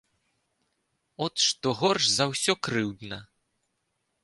От што горш за ўсё крыўдна.